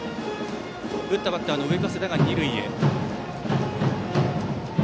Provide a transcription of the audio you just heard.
打ったバッターの上加世田が二塁へ。